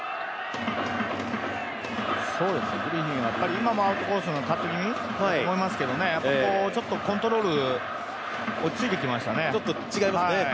今もアウトコースのカット気味だと思いますけどやっぱりちょっとコントロール、落ち着いてきましたね。